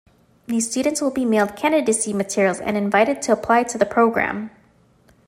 These students will be mailed candidacy materials and invited to apply to the program.